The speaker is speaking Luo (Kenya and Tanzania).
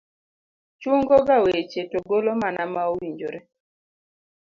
chungo ga weche to golo mana ma owinjore.